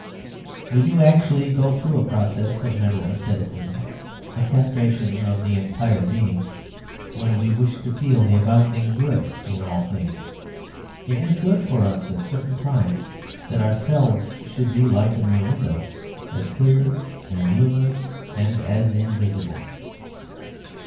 We do actually go through a process of mental asceticism, a castration of the entire being, when we wish to feel the abounding good in all things. It is good for us at certain times that ourselves should be like a mere window as clear, as luminous, and as invisible.